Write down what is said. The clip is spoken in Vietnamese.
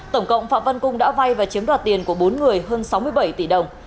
tổng cộng phạm văn cung đã vay và chiếm đoạt tiền của bốn người hơn sáu mươi bảy tỷ đồng